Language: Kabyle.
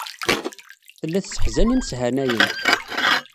Tella tesseḥzan imeshanayen.